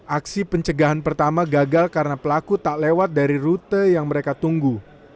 aksi pencegahan pertama gagal karena pelaku tak lewat dari rute yang mereka tunggu